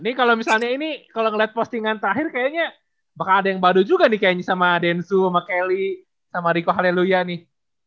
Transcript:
ini kalau misalnya ini kalau ngeliat postingan terakhir kayaknya bakal ada yang badut juga nih kayaknya sama densu sama kelly sama rico haleluya nih